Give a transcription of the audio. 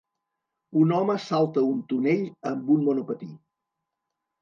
Un home salta un tonell amb un monopatí.